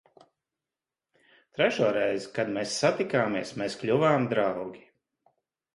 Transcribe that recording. Trešo reizi, kad mēs satikāmies, mēs kļuvām draugi.